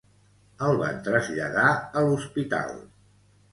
El van traslladar a l'hospital.